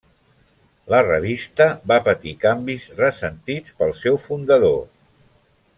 La revista va patir canvis ressentits pel seu fundador.